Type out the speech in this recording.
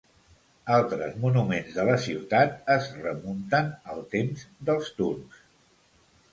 Altres monuments de la ciutat es remunten als temps dels turcs.